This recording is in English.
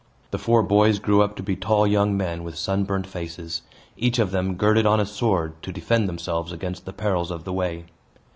The four boys grew up to be tall young men, with sunburnt faces. Each of them girded on a sword, to defend themselves against the perils of the way.